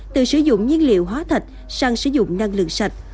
từ sử dụng nhiên liệu hóa thạch sang sử dụng năng lượng sạch